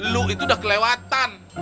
lu itu udah kelewatan